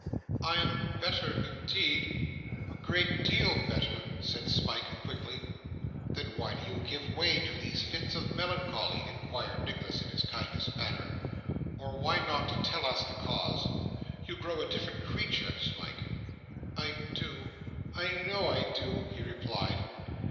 'I am better, indeed. A great deal better,' said Smike quickly. 'Then why do you give way to these fits of melancholy?' inquired Nicholas, in his kindest manner; 'or why not tell us the cause? You grow a different creature, Smike.' 'I do; I know I do,' he replied.